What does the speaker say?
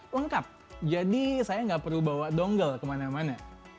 lengkap jadi saya nggak perlu bawa dongel kemana mana